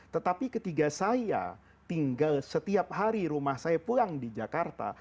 tetapi ketika saya tinggal setiap hari rumah saya pulang di jakarta